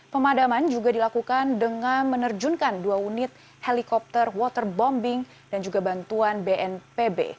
pemadaman juga dilakukan dengan menerjunkan dua unit helikopter waterbombing dan juga bantuan bnpb